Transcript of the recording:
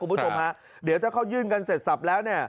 คุณวราวุธศิลปะเดี๋ยวถ้าเขายื่นกันเสร็จศัพท์แล้ว